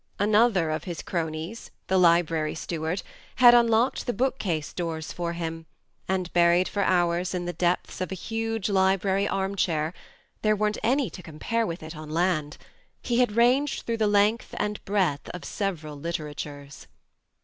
Another of his cronies, the library steward, had un locked the book case doors for him, and, buried for hours in the depths of a huge library armchair (there weren't any to compare with it on land), he had ranged through the length and breadth of several literatures.